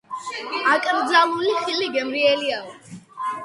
აკრძალული ხილი გემრიელიაო